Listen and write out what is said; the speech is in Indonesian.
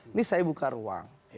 ini saya buka ruang